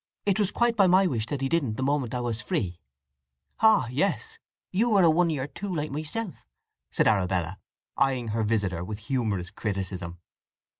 "It was quite by my wish that he didn't the moment I was free." "Ah, yes—you are a oneyer too, like myself," said Arabella, eyeing her visitor with humorous criticism.